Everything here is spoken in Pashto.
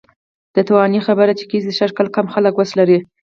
د توانایي خبره چې کېږي، سږکال کم خلک وس لري.